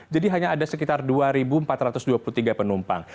jadi hanya ada sekitar dua empat ratus dua puluh tiga penumpang